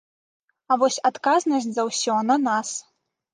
А вось адказнасць за ўсё на нас.